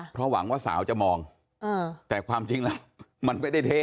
เพราะหวังว่าสาวจะมองแต่ความจริงแล้วมันไม่ได้เท่